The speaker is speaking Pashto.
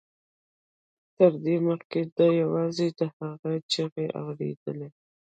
تر دې مخکې ده یوازې د هغوی چیغې اورېدلې